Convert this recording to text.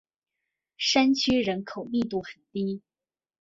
山区人口密度很低。